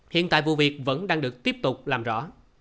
hiện tại vụ việc vẫn đang được tiếp tục làm rõ